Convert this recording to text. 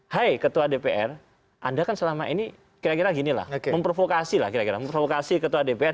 hai ketua dpr anda kan selama ini kira kira ginilah memprovokasi lah kira kira memprovokasi ketua dpr